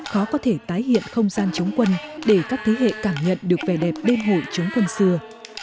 khó có thể tái hiện không gian chống quân để các thế hệ cảm nhận được vẻ đẹp đêm hội chống quân xưa